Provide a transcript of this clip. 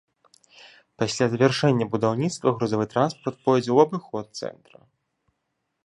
Пасля завяршэння будаўніцтва грузавы транспарт пойдзе ў абыход цэнтра.